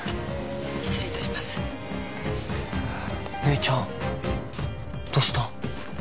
失礼いたします姉ちゃんどしたん？